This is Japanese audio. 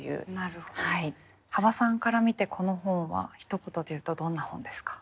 幅さんから見てこの本はひと言で言うとどんな本ですか？